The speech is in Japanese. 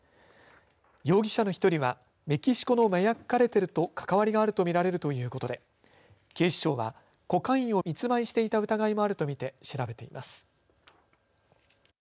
容疑者の１人はメキシコの麻薬カルテルと関わりがあるとみられるということで警視庁はコカインを密売していた疑いもあると見て調べています。